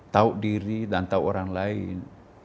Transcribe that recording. tahu diri dan tahu orang lain